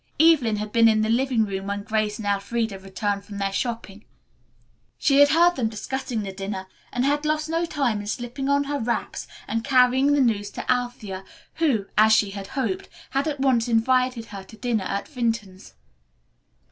Evelyn had been in the living room when Grace and Elfreda returned from their shopping. She had heard them discussing the dinner, and had lost no time in slipping on her wraps and carrying the news to Althea, who, as she had hoped, had at once invited her to dinner at Vinton's.